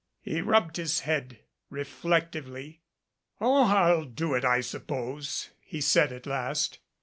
He rubbed his head reflectively. "Oh, I'll do it, I suppose," he said at last.